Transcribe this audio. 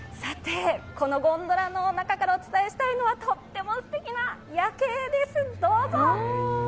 このゴンドラの中からお伝えしたいのは、とってもすてきな夜景ですどうぞ！